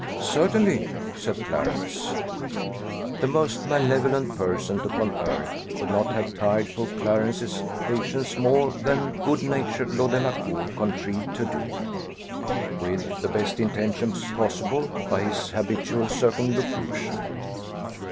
"Certainly," said Clarence. The most malevolent person upon earth could not have tired poor Clarence's patience more than good natured Lord Delacour contrived to do, with the best intentions possible, by his habitual circumlocution.